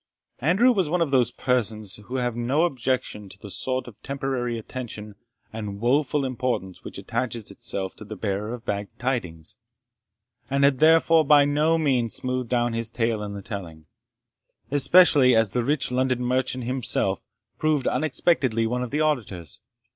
Andrew was one of those persons who have no objection to the sort of temporary attention and woeful importance which attaches itself to the bearer of bad tidings, and had therefore by no means smoothed down his tale in the telling, especially as the rich London merchant himself proved unexpectedly one of the auditors.